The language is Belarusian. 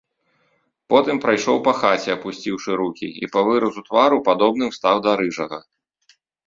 Потым прайшоў па хаце, апусціўшы рукі, і па выразу твару падобным стаў да рыжага.